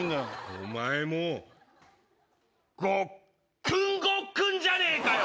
お前、もうごっくんごっくんじゃねえかよ！